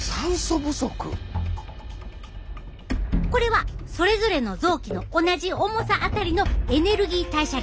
これはそれぞれの臓器の同じ重さあたりのエネルギー代謝率。